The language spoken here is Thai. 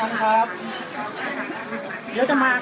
มันหมดแล้วทุกอย่าง